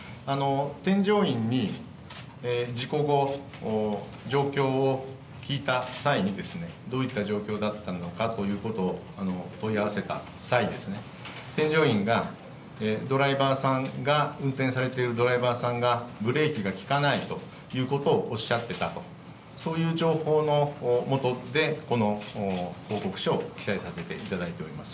添乗員に事故後、状況を聞いた際に、どういった状況だったのかということを問い合わせた際、添乗員がドライバーさんが、運転されているドライバーさんが、ブレーキが利かないということをおっしゃってたと、そういう情報の下で、この報告書を記載させていただいております。